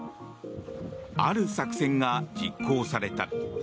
ある作戦が実行された。